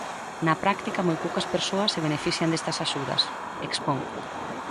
Na práctica, moi poucas persoas se benefician destas axudas, expón.